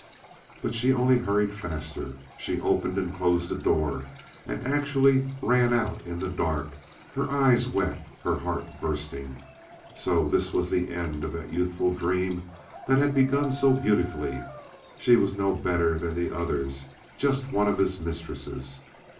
But she only hurried faster; she opened and closed the door, and actually ran out in the dark, her eyes wet, her heart bursting. So this was the end of that youthful dream that had begun so beautifully. She was no better than the others—just one of his mistresses.